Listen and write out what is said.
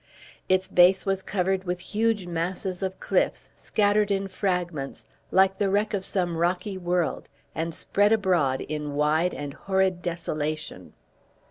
Its base was covered with huge masses of cliffs, scattered in fragments, like the wreck of some rocky world, and spread abroad in wide and horrid desolation.